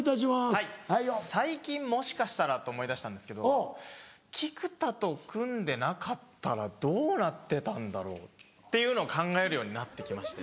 はい最近「もしかしたら」と思いだしたんですけど菊田と組んでなかったらどうなってたんだろうっていうのを考えるようになって来まして。